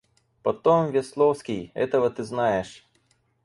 Потом Весловский... этого ты знаешь.